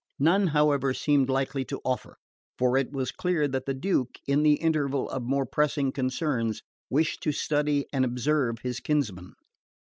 None, however, seemed likely to offer; for it was clear that the Duke, in the interval of more pressing concerns, wished to study and observe his kinsman.